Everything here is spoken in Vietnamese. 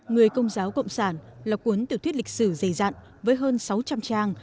người công giáo cộng sản là cuốn tiểu thuyết lịch sử dày dặn với hơn sáu trăm linh trang